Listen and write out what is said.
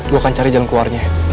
gue akan cari jalan keluarnya